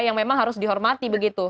yang memang harus dihormati begitu